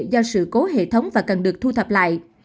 do sự cố hệ thống và cần được thu thập lại